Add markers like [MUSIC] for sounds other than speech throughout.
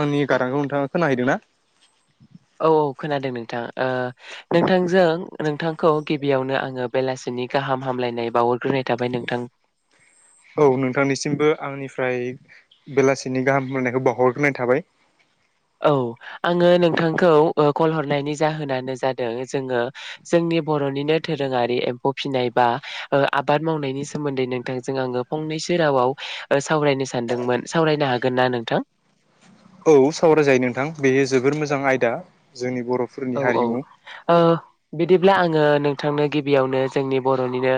आंनि गारांखौ नोंथाङा खोनाहैदों ना? औ खोनादों नोंथां ओ नोंथांजों नोंथांखौ गिबियावनो आङो बेलासिनि गाहाम हाम मलायनाय बावहरग्रोनाय थाबाय नोंथां [INAUDIBLE] औ नोंथांनिसिमबो आंनिफ्राय बेलासिनि गाहाम हामलनायखौ बावहरग्रोनाय थाबाय [INAUDIBLE] औ आङो नोंथांखौ ओ कल हरनायनि जाहोनानो जादों जोङो जोंनि बर'निनो धोरोङारि एम्फौ फिसिनाय बा आबाद मावनायनि सोमोन्दै नोंथांजों आङो फंनै सो रावाव सावरायनो सानदोंमोन सावरायनो हागोन ना नोंथां? औ सावरायजायो नोंथां बेयो जोबोर मोजां आयदा जोंनि बर'फोरनि औ औ हारिमु। ओ बिदिब्ला आङो नोंथांनो गिबियावनो जोंनि बर'निनो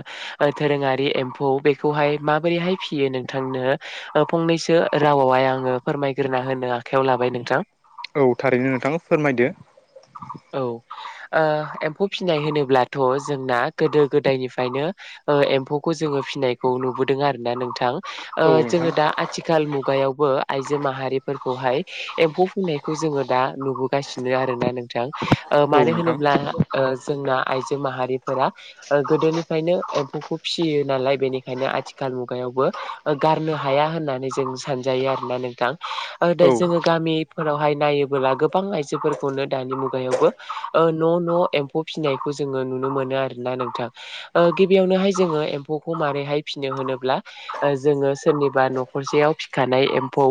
ओ दोरोङारि एम्फौ बेखौहाय माबोरैहाय फियो नोंथांनो ओ फंनैसो रावावहाय आङो फोरमायग्रोना होनो आखायाव ला लाबाय नोंथां औ थारैनो नोंथाङा फोरमायदो औ ओ एम्फौ फिनाय होनोब्लाथ' जोंना गोदो गोदायनिफ्रायनो ओ एम्फौखौ जोङो फिनायखौ नुबोदों आरो दा नोंथां ओ औ नोंथां जोङो दा आथिखाल मुगायावबो आइजो माहारिफोरखौहाय एम्फौ फुंनायखौ जोङो दा नुबोगासिनो आरोना नों ओ औ मानो नोंथां होनोब्ला ओ जोंना आइजो माहारिफोरा ओ गोदोनिफ्रायनो एम्फौखौ फिसियो नालाय बेनिखायनो आथिखाल मुगायावबो ओ गारनो हाया होननानै जों सानजायो आरोना नोंथां औ दा जोङो गामिफोरावहाय नायोबोला गोबां आइजोफोरखौनो दानि मुगायावबो ओ न' न' एम्फौ फिसिनायखौ जोङो नुनो मोनो आरोना नोंथां। ओ गिबियावनोहाय जोङो एम्फौखौ मारैहाय फिसिनो होनोब्ला ओ जोङो सोरनिबा न'खरसेयाव फिखानाय एम्फौ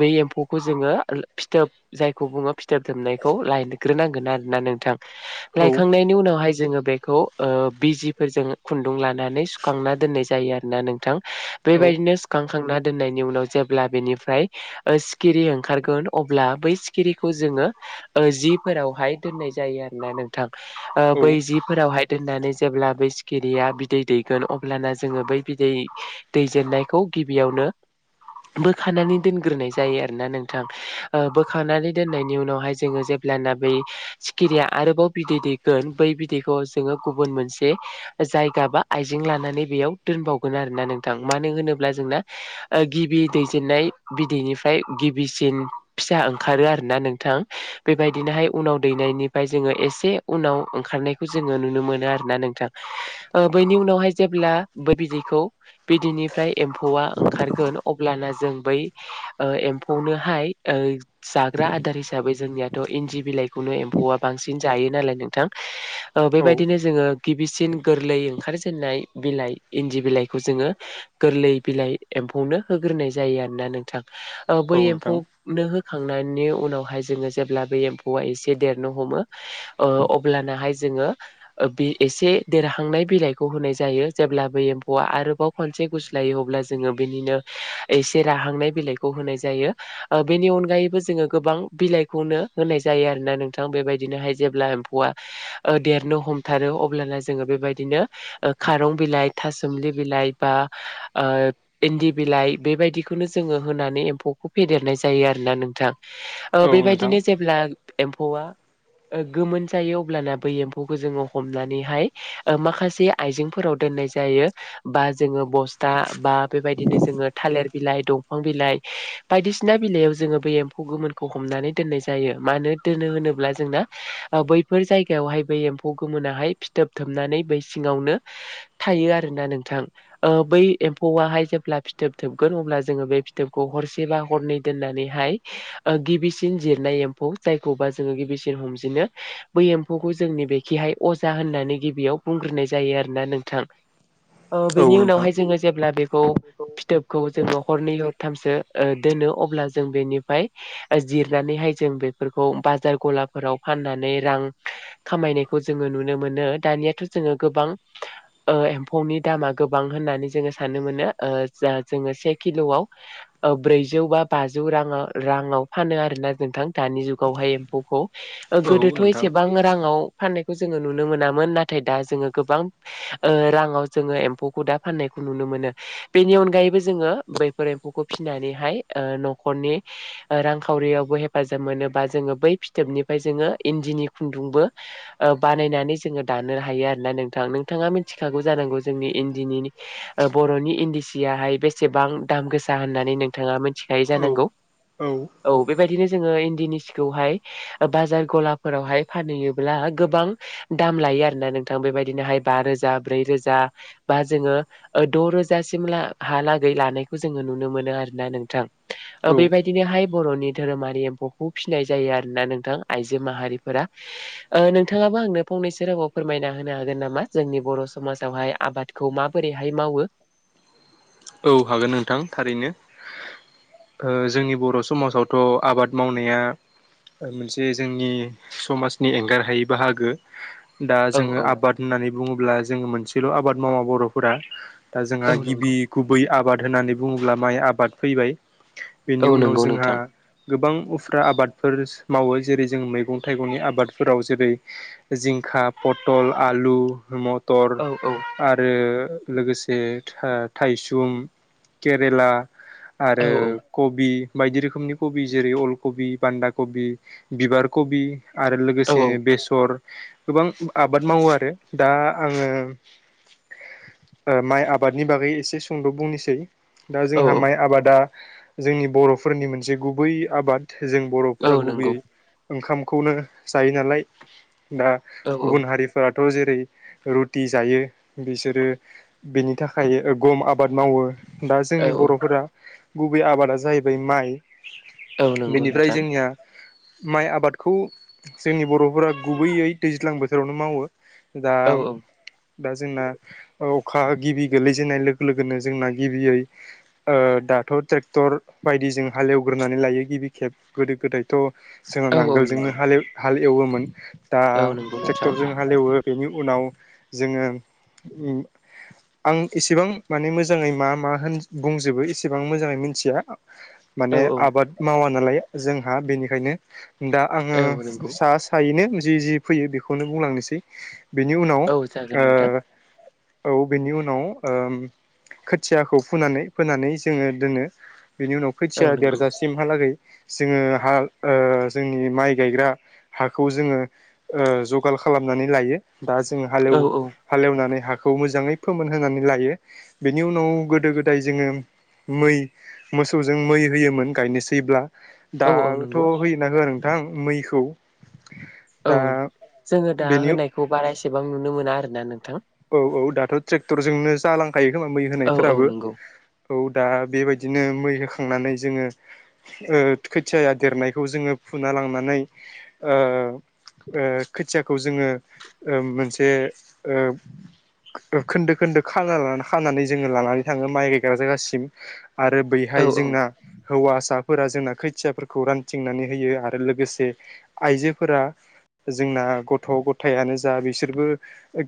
बे एम्फौखौ जोङो फिथोब जायखौ बुङो फिथोब दोबनाय खौ लायग्रोनांगोन आरोना नोंथां औ लायखांनायनि उनावहाय जोङो बेखौ ओ बिजि फोरजों खुन्दुं लानानै सुखांना दोननाय जायो आरोना नोंथां औ बेबायदिनो सुखांखां दोननायनि उनाव जेब्ला बेनिफ्राय ओ सिखिरि ओंखारगोन अब्ला बै सिखिरिखौ जोङो ओ जिफोरावहाय दोननाय जायो आरो ना नोंथां बै जिफोरावहाय दोननानै जेब्ला सिखिरिया बिदै दैगोन अब्लाना जोङो बै बिदै दैजेननायखौ गिबियावनो बोखानानै दोनग्रोनाय जायो आरोना नोंथां बोखानानै दोननायनि उनावहाय जोङो जेब्लाना बै सिखिरिया आरोबाव बिदै दैगोन बै बिदैखौ जोङो गुबुन मोनसे जायगा बा आइजें लानानै बेयाव दोनबावगोन आरोना नोंथां मानो होनोब्ला जोंना गिबि दैजेननाय बिदैनिफ्राय गिबिसिन फिसा ओंखारो आरो ना नोंथां। बेबायदिनोहाय उनाव दैनायनिफ्राय जोङो एसे उनाव ओंखारनायखौ जोङो नुनो मोनो आरोना नों थां ओ बैनि उनावहाय जेब्ला बै बिदैखौ बिदैनिफ्राय एम्फौआ ओंखार गोन अब्लाना जों बै ओ एमफौनोहाय जाग्रा आदार हि साबै जोंनियाथ' इन्दि बिलाइखौनो एम्फौआ बांसिन जायो नालाय नोंथां औ बेबायदिनो जोङो गिबिसिन गोरलै ओंखारजेननाय बिलाइ इन्दि बिलाइखौ जोङो गोरलै बिलाइ एम फौनो होग्रोनाय जायो आरोना नोंथां ओ औ बै नोंथां एमफौनो होखांनायनि उनावहाय जोङो जेब्ला बे एम्फौआ एसे देरनो हमो ओ अब्लानाहाय जोङो ओ बे एसे देरहांनाय बिलाइखौ होनाय जायो जेब्लाबो एम्फौआ आरोबाव खनसे गुस्लायो अब्ला जोङो बे निनो एसे राहांनाय बिलाइखौ होनाय जायो ओ बेनि अनगायैबो जोङो गोबां बिलाइखौनो होनाय जायो आरोना नोंथां बेबायदिनोहाय जेब्ला एम्फौआ देरनो हमथारो। अब्लाना जोङो बेबायदिनो ओ खारं बिलाइ थासुमलि बिलाइ बा ओ इन्दि बिलाइ बेबायदिखौनो जोङो होनानै एम्फौखौ फेदेरनाय जायो आरोना नोंथां। ओ औ नोंथां बेबायदिनो जेब्ला एम्फौआ ओ गोमोन जायो अब्लाना बै एम्फौखौ जोङो हमनानैहाय ओ माखासे आइजेंफोराव दोन दोननाय जायो बा जोङो बस्था बा बेबायदिनो जोङो थालिर बिलाइ दंफां बिलाइ बायदिसिना बिलाइयाव जोङो बै एम्फौ गोमोन खौ हमनानो दोननाय जायो मानो दोनो होनोब्ला जोंना ओ बैफोर जागायावहाय बै एमफौ गोमोन नाहाय फिथोबथोबनानै बै सिङावनो थायो आरोना नोंथां ओ बै एमफौ आहाय जेब्ला फिथोब थोबगोन अब्ला जोङो बे फिथोबखौ हरसे बा हरनै दोननानैहाय गिबिसिन जिरनाय एम्फौ जायखौबा जोङो गिबिसिन हमजनो बै एम्फौखौ जोंनि बेखिहाय हाय अजा होननानै गिबियाव बुंग्रोनाय जायो आरोना नोंथां। औ बेनि नोंथां उनावहाय जोङो जेब्ला बेखौ फिथोबखौ जोङो हरनै हरथामसो दोनो अब्ला जों बेनिफाय जिरनानैहाय जों बेफोरखौ बाजार गलाफोराव फाननानै रां खामायनाय खौ जोङो नुनो मोनो दानियाथ' जोङो गोबां एम्फौनि दामा गोबां होननानै जोङो साननो मोनो ओ जा जोङो से किल'आव ब्रैजौ बा बाजौ रांङा राङाव फानो आरो ना नोंथां दानि जुगावहाय एम्फौखौ औ गोदोथ' नोंथां एसेबां राङाव फाननायखौ जोङो नुनो मोनामोन नाथाय दा जोङो गोबां राङाव जोङो एम्फौखौ दा फाननायखौ नुनो मोनो बेनि अनगायैबो जोङो बैफोर एम्फौखौ फिसिनानैहाय ओ न'खरनि रांखावरियावबो हेफाजाब मोनो बा जोङो बै फिथोबनिफ्राय जोङो इन्दिनि खुन्दुंबो बानायनानै जोङो दानो हायो आरोना नोंथां नोंथाङा मिथिखागौ जानांगौ जोंनि इन्दिनि बर'नि इन्दि सियाहाय बेसेबां दाम गोसा होननानै नोंथाङा मिथिखायो औ जानांगौ। औ बेबायदिनो जोङो इन्दिनि सिखौहाय बाजार गलाफोरावहाय फानहैयोब्ला गोबां दाम लायो आरोना नोंथां बेबायदिनोहाय बा रोजा ब्रै रोजा बा जोङो द' रोजा सिमला हालागै लानायखौ जोङो नुनो मोनो आरो ना नोंथां ओ बेबादि बर'नि धोरोमारि एम्फौखौ फिसिनाय जायो आरोना नोंथां आइजो माहारिफोरा ओ नोंथां ङाबो आंनो फंनैसो रावाव फोरमायना होनो हागोन नामा जोंनि बर' समाजावहाय आबादखौ माबोरैहाय मावो? औ हागोन नोंथां थारैनो ओ जोंनि बर' समाजावथ' आबाद मावनाया मोनसे जोंनि समाजनि एंगार हायै बाहागो। दा औ जोङो औ आबाद होननानै बुङोब्ला जोङो मोनसेल' आबाद मावा बर'फोरा दा जोंहा औ नंगौ गिबि गुबै आबाद होननानै बुङोब्ला माइ आबाद फैबाय बेनि औ उनाव नंगौ जोंहा नोंथां गोबां फ्रा आबादफोर मावो जेरै जों मैगं-थाइगंनि आबादफोराव जेरै जिंखा प टल आलु मटर औ औ आरो लोगोसे थाइसुम केरेला आरो औ कबि बायदि रोखोमनि कबि जेरै अलकबि बान्दा कबि बिबार कबि आरो औ लोगोसे औ बेसर गोबां आबाद मावो आरो दा आङो माइ आबादनि बागै एसे सुंद' बुंनोसै दा औ जोंहा माइ आबादा जोंनि बर'फोरनि मोनसे गुबै आबाद जों औ बर'फोरा गुबैयै नंगौ ओंखामखौनो जायो नालाय दा औ औ गुबुन हारिफोरा थ' जेरै रुटि जायो बिसोरो बिनि थाखाय गम आबाद मावो दा औ जोंनि बर'फोरा गुबै आबादा जाहैबाय माइ औ औ नंगौ बेनिफ्राय नोंथां जोंनिया माइ आबादखौ जोंनि बर'फोरा गुबैयै दैज्लां बोथोरावनो मावो दा औ औ दा जोंना अखा गिबि गोलैजेननाय लो गोनो जोंना गिबियै दाथ' ट्रेक्टर बायदि जों हालेवग्रोनानै लायो। बि खेब गोदो गोदायथ' जोङो औ औ नांगोलजोंनो नंगौ हालेव हाल एवोमोन दा औ नंगौ नोंथां ट्रेक्टरजों हालेवो बेनि उनाव जोङो आं इसेबां माने मोजाङै मा मा होन बुंजोबो एसेबां मोजाङै मिथिया माने औ आबाद मावा नालाय जोंहा बेनिखायनो दा आङो औ नंगौ सा सायैनो जि जि फैयो बेखौनो बुंलांनोसै बेनि उनाव औ जागोन नोंथां ओ औ बेनि उनाव ओ खोथियाखौ फुनानै फोनानै जोङो दोनो बिनि उनाव औ खोथिया नंगौ देरजासिमहालागै जोङो हा ओ जोंनि माइ गायग्रा हाखौ जोङो ओ जगाल खालामनानै लायो दा जोंङो हालव औ औ हालेवनानै हाखौ मोजाङै फोमोन होनानै लायो। बेनि उनाव गोदो गोदाय जोङो मै मोसौजों मै होयोमोन गायनोसैब्ला औ औ दाबोथ' नंगौ होयोना होआ नोंथां मैखौ औ दा जोङो दा बेनि होनायखौ बारा एसेबां नुनो मोना आरोना नोंथां। औ औ दाथ' ट्रेक्टरजोंनो जालांखायो खोमा मै औ औ होनायफोराबो नंगौ औ दा बेबायदिनो मै होखांनानै जोङो खोथिया देरनायखौ जोङो फुना लांनानै ओ खोथियाखौ जोङो ओ मोनसे ओ खोन्दो खोन्दो खाना खानानै जोङो लानानै थाङो माइ गायग्रा जायगासिम आरो औ बैहाय औ जोंना हौवासा फोर जोंना खोथियाफोरखौ रानथिंनानै होयो आरो लोगोसे आइजोफोरा जोंना गथ' गथायानो जा बिसोरबो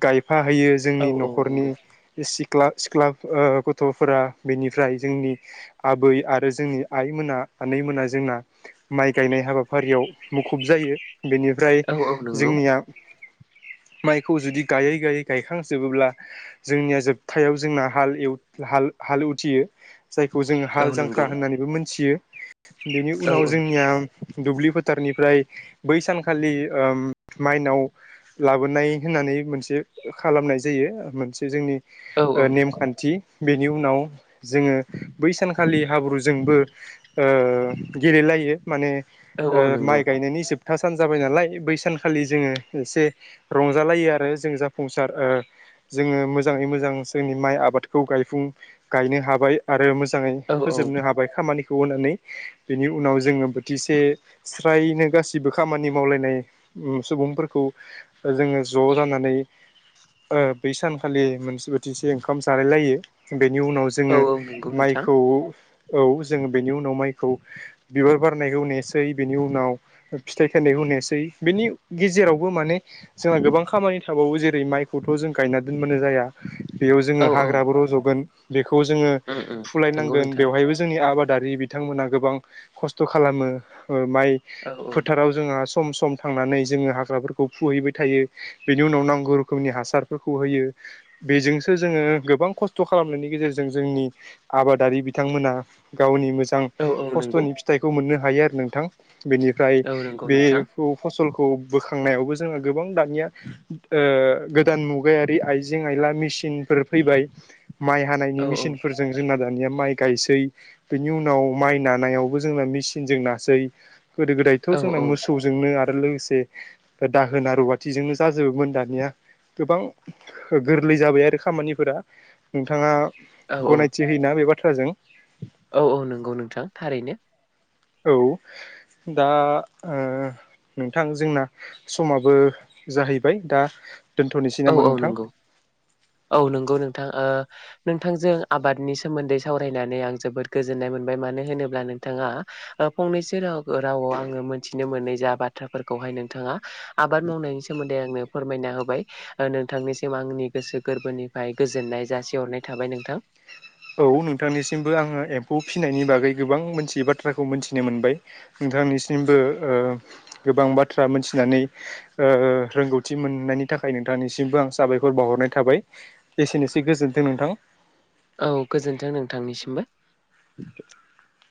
गाय फा होयो औ जोंनि औ नंगौ न'खरनि सि ख्ला सिख्ला ओ गथ'फोरा बेनिफ्राय जोंनि आबै आरो जोंनि आइमोना हनै मोना जोंना माइ गायनाय हाबाफारियाव मुखुब जायो। बेनिफ्राय औ औ नंगौ जोंनिया माइखौ जुदि गायै गायै गायखांजोबोब्ला जोंनिया जोबथायाव जोंना हल ए हाल हाल उथियो जायखौ जोङो हाल औ नंगौ जांख्रा होननानैबो मोनथियो बेनि औ उनाव जोंनिया दुब्लि फोथारनिफ्राय बै सानखालि माइनाव लाबोनाय होननानै मोनसे खालामनाय जायो मोनसे जोंनि औ औ ओ नेमखान्थि बेनि उनाव जोङो बै सानखालि हाब्रुजोंबो ओ गेले जायो माने औ ओ औ मान नंगौ माइ गायनायनि जोब था सान जाबाय नालाय बै सानखालि जोङो एसे रंजालायो आरो जों जाब संसार ओ जोङो मोजाङै मोजां जोंनि माइ आबादखौ गायफुं गायनो हाबाय आरो मोज मोजाङै औ औ फोजोबनो हाबाय खामानि खौ होनानै बेनि उनाव जोङो बोथिसे स्रायनो गासैबो खामानि मावलायनाय उम सुबुंफोरखौ जोङो ओ ज' जानानै ओ बै सानखालि मोनसे बोथिसे ओंखाम जालायलायो बेनि उनाव औ जोङो औ नंगौ नोंथां माइखौ औ जोंङो बेनि उनाव माइखौ बिबार बारनायखौ नेसै बेनि उनाव फिथाइ खायनायखौ नेसै बेनि गेजेरावबो माने जोंहा गोबां खामानि थाबावो जेरै माइखौथ' जों गायना दोनबानो जाया बेयाव औ जोङो औ हाग्राबो रज'गोन बेखौ जोङो उम नंगौ फुलायनांगोन नोंथां बेवहायबो जोंनि आबाद दारि बिथांमोनहा गोबां खस्थ' खालामो ओ माइ औ औ फोथाराव जोंहा सम सम थांनानै जोङो हाग्राफोरखौ फुहैबाय थायो बेनि उनाव नांगौ रोखोमनि हासारफोरखौ होयो बेजोंसो जोङो गोबां खस्थ' खालामनायनि गेजेरजों जोंनि आबादारि बिथांमोना गावनि मोजां औ औ नंगौ खस्थ'नि फिथाइखौ मोननो हायो आरो नोंथां बेनिफ्राय औ नंगौ बे नोंथां फसल खौ बोखांनायावबो जोङहा गोबां दानिया ओ गोदान मुगायारि आइजें आयला मेसिनफोर फैबाय माइ औ हानायनि मेसिनफोरजों जोंना दानिया माइ गायसै बिनि उनाव माइ नानायावबो जोंना मेचिनजों नासै गोदो गोदायथ' औ जोंना मोसौजोंनो आरो लोगोसे दाहोना रुवाथिजोंनो जा जोबोमोन दानिया गोबां गोरलै जाबाय आरो खामानिफोरा नोंथाङा औ गनायथि होयोना बे बाथ्राजों औ औ नंगौ नोंथां थारैनो औ दा ओ नोंथां जोंना समाबो जाहैबाय दा दोनथ'नोसै औ नामा औ नोंथां नंगौ औ नंगौ नोंथां ओ नोंथांजों आबादनि सोमोन्दै सावरायनानै आं जोबोद गोजोननाय मोनबाय मानो होनोब्ला नोंथाङा ओ फंनैसो राव रावाव आङो मोनथिनो मोनै जा बाथ्राफोरखौहाय नोंथाङा आबाद मावनाय नि सोमोन्दै आंनो फोरमायना होबाय ओ नोंथांनिसिम आंनि गोसो गोरबोनिफ्राय गोजोननाय जासिहरनाय थाबाय नोंथां औ नोंथांनिसिमबो आङो एम्फौ फिनायनि बागै गोबां मोनथियि बाथ्राखौ मोनथिनो मोनबाय नोंथांनिसिमबो ओ गोबां बाथ्रा मोनथिनानै ओ रोंगौथि मोननायनि थाखाय नोंथांनिसिमबो आं साबायखर बावहरनाय थाबाय एसेनोसै गोजोन्थों नोंथां औ गोजोन्थों नोंथांनिसिमबो। [INAUDIBLE]